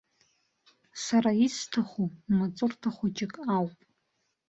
Сара исҭаху маҵурҭа хәыҷык ауп.